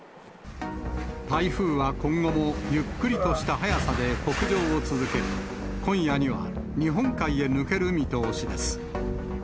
台風は今後もゆっくりとした速さで北上を続け、今夜には日本海へ抜ける見通しです。